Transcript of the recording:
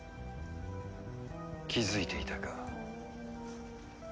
気づいていたか。